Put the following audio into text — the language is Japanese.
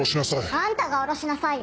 あんたが下ろしなさいよ。